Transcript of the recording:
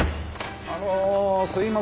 あのすみません。